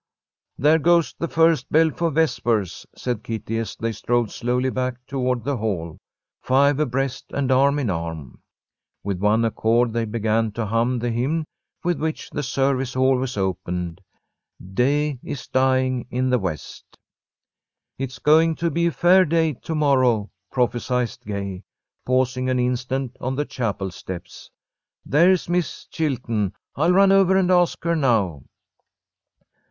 "There goes the first bell for vespers," said Kitty, as they strolled slowly back toward the Hall, five abreast and arm in arm. With one accord they began to hum the hymn with which the service always opened, "Day is dying in the west." "It's going to be a fair day to morrow," prophesied Gay, pausing an instant on the chapel steps. "There's Miss Chilton. I'll run over and ask her now."